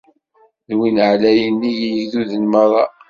D Win Ɛlayen, nnig yigduden merra.